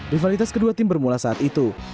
rivalitas kedua tim bermula saat itu